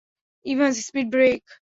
Evans, speed break.